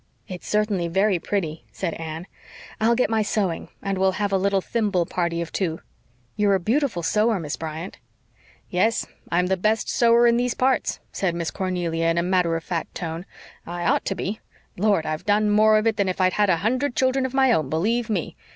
"It's certainly very pretty," said Anne. "I'll get my sewing and we'll have a little thimble party of two. You are a beautiful sewer, Miss Bryant." "Yes, I'm the best sewer in these parts," said Miss Cornelia in a matter of fact tone. "I ought to be! Lord, I've done more of it than if I'd had a hundred children of my own, believe ME!